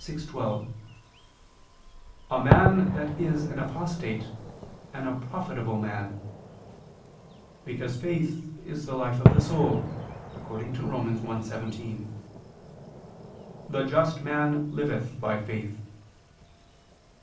6:12): "A man that is an apostate, an unprofitable man": because faith is the life of the soul, according to Rom. 1:17: "The just man liveth by faith."